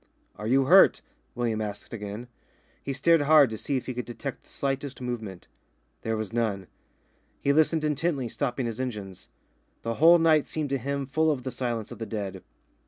"Are you hurt?" William asked again. He stared hard to see if he could detect the slightest movement. There was none. He listened intently, stopping his engines. The whole night seemed to him full of the silence of the dead.